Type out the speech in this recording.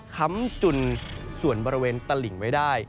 ค้ำจุนส่วนบริเวณตลิ่งไว้ได้